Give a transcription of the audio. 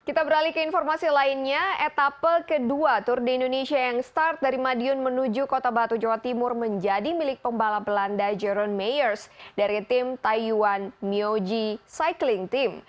kita beralih ke informasi lainnya etapa kedua tour de indonesia yang start dari madiun menuju kota batu jawa timur menjadi milik pembalap belanda jeron mayers dari tim taiyuan myoji cycling team